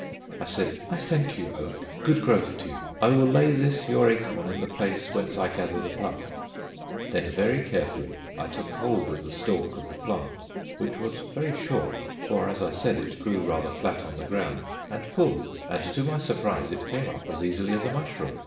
I said, "I thank you, Oak: good growth to you. I will lay this your acorn in the place whence I gather the plant." Then very carefully I took hold of the stalk of the plant (which was very short, for, as I said, it grew rather flat on the ground) and pulled, and to my surprise it came up as easily as a mushroom.